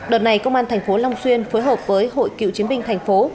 đợt này công an tp long xuyên phối hợp với hội cựu chiến binh thành phố